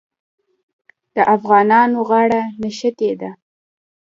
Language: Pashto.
د افغانانو غاړه نښتې ده.